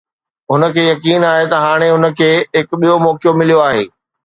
هن کي يقين آهي ته هاڻي هن کي هڪ ٻيو موقعو مليو آهي.